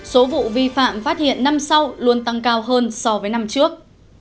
số vụ vi phạm phát hiện năm sau luôn tăng cao hơn so với năm trước